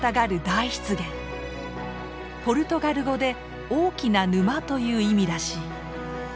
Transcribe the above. ポルトガル語で「大きな沼」という意味らしい。